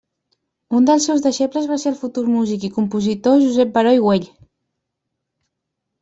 Un dels seus deixebles va ser el futur músic i compositor Josep Baró i Güell.